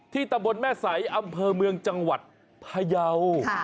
ตำบลแม่ใสอำเภอเมืองจังหวัดพยาว